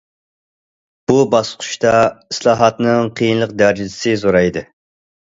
بۇ باسقۇچتا ئىسلاھاتنىڭ قىيىنلىق دەرىجىسى زورايدى.